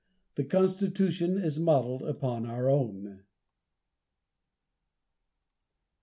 The constitution is modeled upon our own.